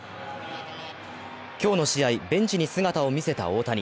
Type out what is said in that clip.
今日の試合、ベンチに姿を見せた大谷。